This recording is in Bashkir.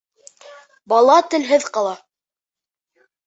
— Бала телһеҙ ҡала...